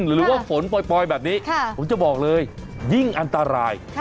หรือว่าฝนปล่อยแบบนี้ผมจะบอกเลยยิ่งอันตราย